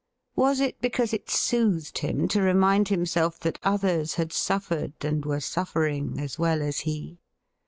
Was it because it soothed him to remind himself that others had sufifered and were suffering as well as he